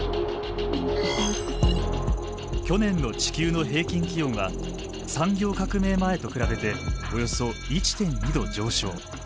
去年の地球の平均気温は産業革命前と比べておよそ１．２℃上昇。